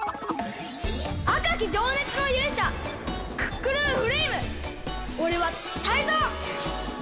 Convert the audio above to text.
あかきじょうねつのゆうしゃクックルンフレイムおれはタイゾウ！